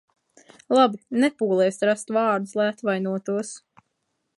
Labi, nepūlies rast vārdus, lai atvainotos.